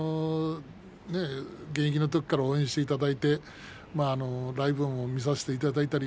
現役のときから応援してくださってライブも見させていただいたり